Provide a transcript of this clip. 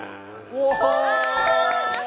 うわ！